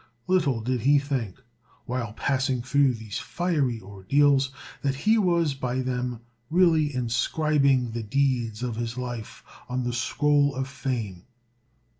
Little did he think, while passing through these fiery ordeals, that he was by them really inscribing the deeds of his life on the scroll of fame.